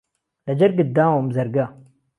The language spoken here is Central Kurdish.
له جهرگت داووم زەرگه